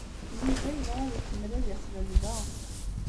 Yuba yebɣa ad ikemmel ad yexdem da.